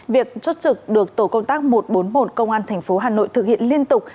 việc chốt trực được tổ công tác một trăm bốn mươi một công an tp hà nội thực hiện liên tục